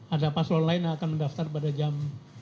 ada paslon lain yang akan mendaftar pada jam